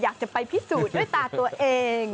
อยากจะไปพิสูจน์ด้วยตาตัวเอง